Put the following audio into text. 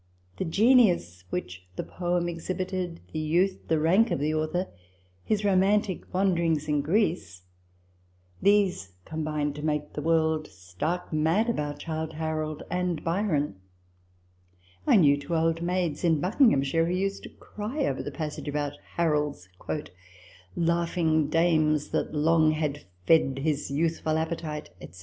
The genius which the poem exhibited, the youth, the rank of the author, his romantic wanderings in Greece, these combined to make the world stark mad about " Childe Harold " and Byron. I knew two old maids in Buckinghamshire who used to cry over M 178 RECOLLECTIONS OF THE the passage about Harold's "laughing dames" that "long had fed his youthful appetite," * &c.